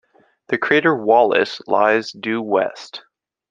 The crater Wallace lies due west.